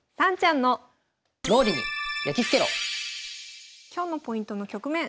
それでは今日のポイントの局面